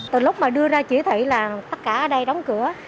từ lúc mà đưa ra chỉ thị là tất cả ở đây đóng cửa